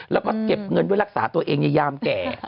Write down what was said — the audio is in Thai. แล้วก็เก็บเงินไว้รักษาตัวเองในยามแก่